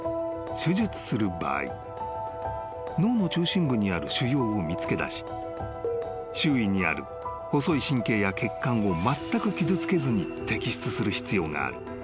［手術する場合脳の中心部にある腫瘍を見つけだし周囲にある細い神経や血管をまったく傷つけずに摘出する必要がある］